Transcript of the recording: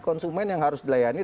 konsumen yang harus dilayani